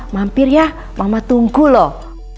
mampir ya mama tunggu loh